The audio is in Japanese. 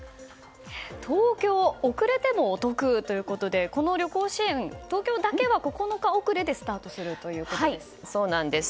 東京、遅れてもお得ということでこの旅行支援、東京だけは９日遅れでスタートするということです。